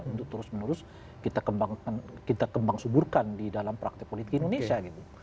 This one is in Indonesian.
untuk terus menerus kita kembang suburkan di dalam praktek politik indonesia gitu